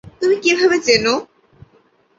তুমি কীভাবে চেনো?